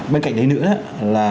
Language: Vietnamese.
bên cạnh đấy nữa là